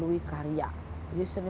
be squash terus lagi